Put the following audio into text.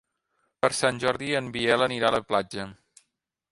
Per Sant Jordi en Biel anirà a la platja.